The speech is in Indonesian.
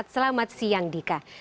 selamat siang dika